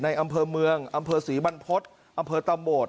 อำเภอเมืองอำเภอศรีบรรพฤษอำเภอตะโหมด